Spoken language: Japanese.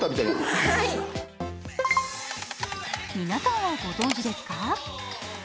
皆さんはご存じですか？